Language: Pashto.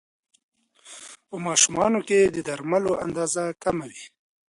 په ماشومانو کې د درملو اندازه کمه وي.